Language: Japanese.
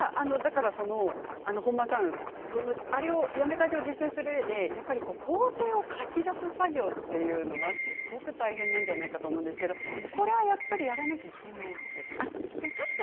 本間さん、やめ家事を実践するうえで工程を書き出す作業というのがすごく大変なんじゃないかと思うんですけれどこれはやらなくてはいけないんですか？